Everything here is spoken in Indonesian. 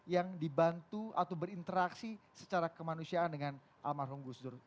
yang dibantu atau berinteraksi secara kemanusiaan dengan almarhum gus dur